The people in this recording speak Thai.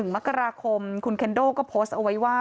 มกราคมคุณเคนโดก็โพสต์เอาไว้ว่า